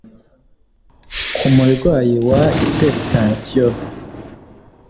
ku murwayi wa hypertension